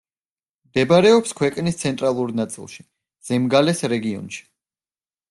მდებარეობს ქვეყნის ცენტრალურ ნაწილში, ზემგალეს რეგიონში.